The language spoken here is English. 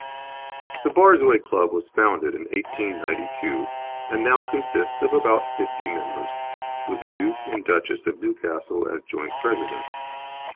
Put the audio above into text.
The Borzoi Club was founded in 1892, and now consists of about fifty members, with the Duke and Duchess of Newcastle as joint presidents.